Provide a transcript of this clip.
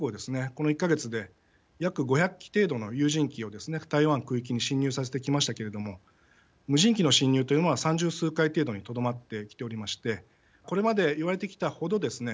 この１か月で約５００機程度の有人機をですね台湾区域に侵入させてきましたけれども無人機の侵入というものは３０数回程度にとどまってきておりましてこれまでいわれてきた程ですね